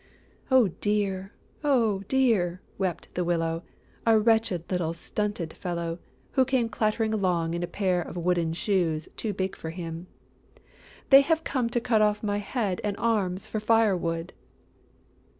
"Oh, dear, oh, dear!" wept the Willow, a wretched little stunted fellow, who came clattering along in a pair of wooden shoes too big for him. "They have come to cut off my head and arms for firewood!"